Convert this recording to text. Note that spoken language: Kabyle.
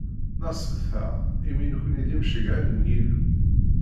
Nasbet-aɣ, imi nekni d imceyyɛen n Yillu.